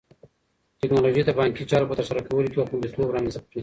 ټیکنالوژي د بانکي چارو په ترسره کولو کې خوندیتوب رامنځته کړی.